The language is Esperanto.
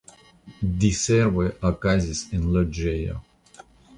Diservoj okazis en loĝejo.